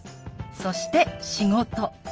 そして「仕事」。